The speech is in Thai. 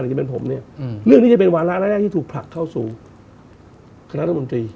ที่เป็นผมเนี่ยเรื่องนี้จะเป็นวาระแรกที่ถูกผลักเข้าสู่คณะรัฐมนตรี